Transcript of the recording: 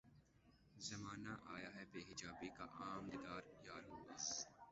زمانہ آیا ہے بے حجابی کا عام دیدار یار ہوگا